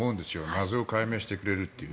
謎を解明してくれるという。